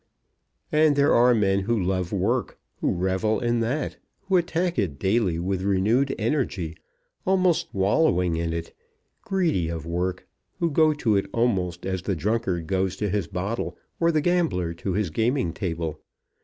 And there are men who love work, who revel in that, who attack it daily with renewed energy, almost wallowing in it, greedy of work, who go to it almost as the drunkard goes to his bottle, or the gambler to his gaming table.